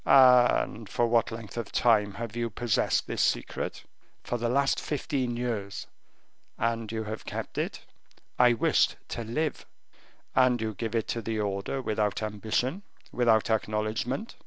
"And for what length of time have you possessed this secret?" "For the last fifteen years." "And you have kept it?" "I wished to live." "And you give it to the order without ambition, without acknowledgement?"